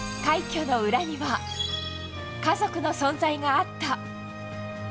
快挙の裏には家族の存在があった。